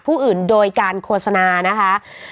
ผู้อื่นโดยการโฆษณานะคะ